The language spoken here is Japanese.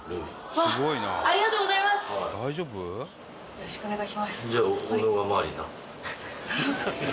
よろしくお願いします。